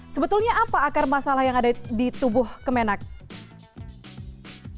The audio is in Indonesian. sebetulnya apa akar masalah yang ada di tubuh kemenang